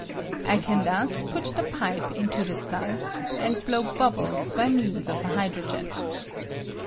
I can thua put tJie pipe into the suds and blow bubbles by means of the hydrogen.